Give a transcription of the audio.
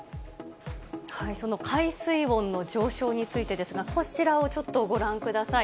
その海水温の上昇についてですが、こちらをちょっとご覧ください。